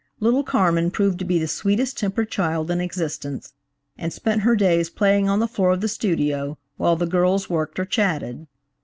Little Carmen proved to be the sweetest tempered child in existence, and spent her days playing on the floor of the studio, while the girls worked or chatted.